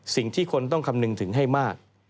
สิ่งที่คนต้องคำนึงถึงให้มาก